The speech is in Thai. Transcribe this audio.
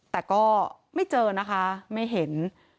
แต่ก็ไม่เจอนะคะไม่เห็น